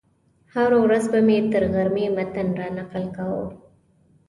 هره ورځ به مې تر غرمې متن رانقل کاوه.